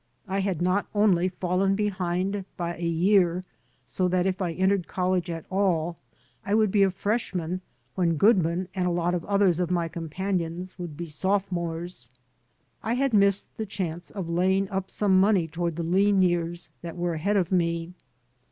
I had not only fallen behind by a year, so that if I entered college at all I would be a freshman when Goodman and a lot of others of my companions would be sophomores; I had missed the chance of laying up some money toward the lean years that were ahead of me.